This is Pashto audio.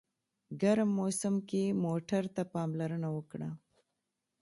ګرم موسم کې موټر ته پاملرنه وکړه.